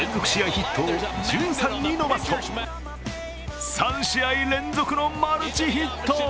ヒットを１３に伸ばすと３試合連続のマルチヒット！